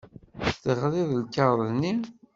Teɣriḍ lkaɣeḍ-nni?